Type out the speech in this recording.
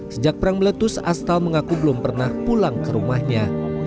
sejak perang meletus astal mengaku belum pernah pulang ke rumahnya